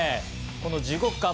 この地獄感